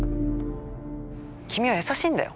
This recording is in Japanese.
君は優しいんだよ。